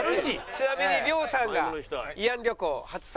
ちなみに亮さんが慰安旅行初参加です。